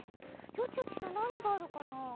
ヨチヨチってなにがあるかな？